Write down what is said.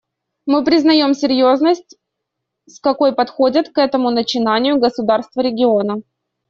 Мы признаем серьезность, с какой подходят к этому начинанию государства региона.